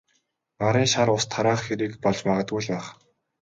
Гарын шар ус тараах хэрэг болж магадгүй л байх.